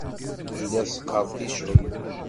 Telliḍ tesqerdiceḍ.